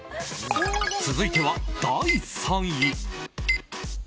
続いては第３位！